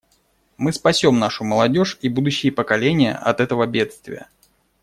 Мы спасем нашу молодежь и будущие поколения от этого бедствия.